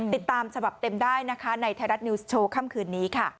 ติดตามฉบับเต็มได้นะคะในไทยรัฐนิวส์โชว์ค่ำคืนนี้ค่ะ